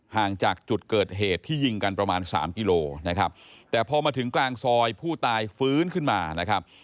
ห่างจากจุดเกิดเหตุที่ยิงกันประมาณสามกิโลนะครับแต่พอมาถึงกลางซอยผู้ตายฟื้นขึ้นมานะครับ